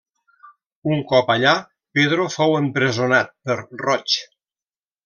Un cop allà Pedro fou empresonat per roig.